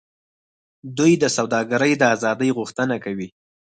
دوی د سوداګرۍ د آزادۍ غوښتنه کوي